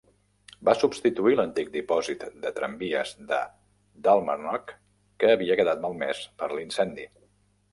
Va substituir l'antic dipòsit de tramvies de Dalmarnock que havia quedat malmès per l'incendi.